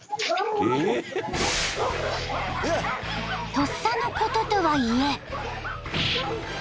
［とっさのこととはいえ］